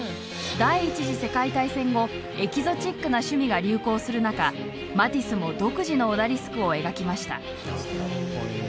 第１次世界大戦後エキゾチックな趣味が流行する中マティスも独自のオダリスクを描きました。